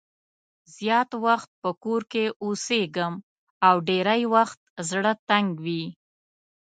زیات وخت په کور کې اوسېږم او ډېری وخت زړه تنګ وي.